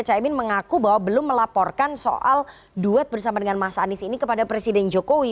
caimin mengaku bahwa belum melaporkan soal duet bersama dengan mas anies ini kepada presiden jokowi